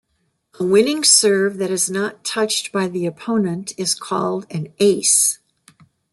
A winning serve that is not touched by the opponent is called an "ace".